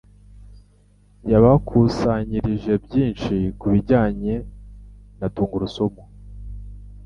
yabakukusanyirije byinshi ku bijyanye na tungurusumu